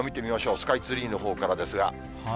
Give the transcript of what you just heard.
スカイツリーのほうからですが。